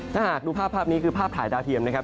ถ้าหากดูภาพภาพนี้คือภาพถ่ายดาวเทียมนะครับ